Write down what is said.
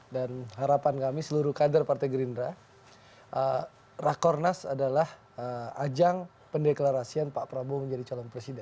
dan harapan kami seluruh kader partai gerindra rekor nas adalah ajang pendeklarasian pak prabowo menjadi calon presiden